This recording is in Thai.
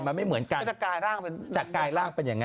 มันไม่เหมือนกันจะกายร่างเป็นอย่างนั้น